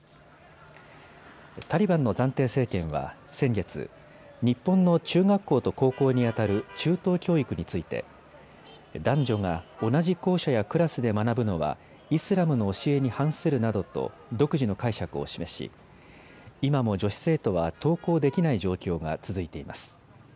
タリバンの暫定政権は先月、日本の中学校と高校にあたる中等教育について男女が同じ校舎やクラスで学ぶのはイスラムの教えに反するなどと独自の解釈を示し今も女子生徒は登校できない状況が続いています。